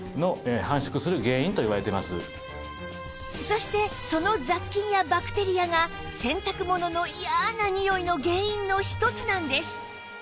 そしてその雑菌やバクテリアが洗濯物の嫌なにおいの原因の一つなんです